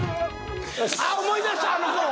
あっ思い出したあの頃！